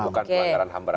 bukan pelanggaran ham berat